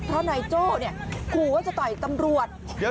เพราะนายโจ้ขู่ว่าจะต่อยตำรวจ